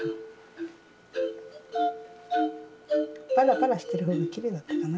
パラパラしてるほうがきれいだったかな。